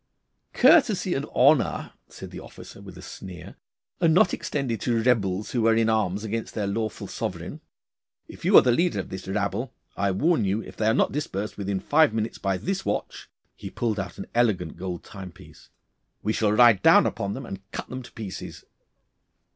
'Courtesy and honour,' said the officer, with a sneer, 'are not extended to rebels who are in arms against their lawful sovereign. If you are the leader of this rabble, I warn you if they are not dispersed within five minutes by this watch' he pulled out an elegant gold time piece 'we shall ride down upon them and cut them to pieces.